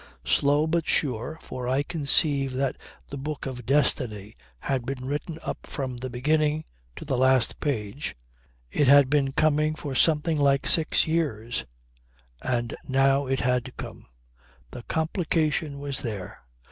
Slow but sure (for I conceive that the Book of Destiny has been written up from the beginning to the last page) it had been coming for something like six years and now it had come. The complication was there!